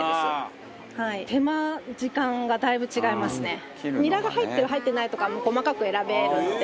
女性：ニラが入ってる入ってないとかも細かく選べるので。